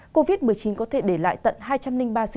covid một mươi chín có thể để lại tận hai trăm linh ba ca